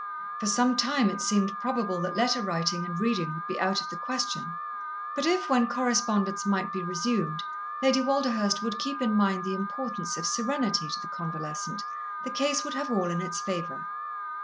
For some time it seemed probable that letter writing and reading would be out of the question, but if, when correspondence might be resumed, Lady Walderhurst would keep in mind the importance of serenity to the convalescent, the case would have all in its favour.